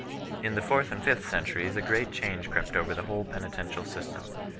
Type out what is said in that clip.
In the fourth and fifth centuries a great change crept over the whole penitential system.